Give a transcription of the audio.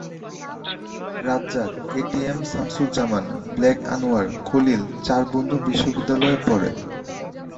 Razzak, ATM Shamsuzzaman, black Anwar, Khalil চার বন্ধু বিশ্ববিদ্যালয়ে পড়ে।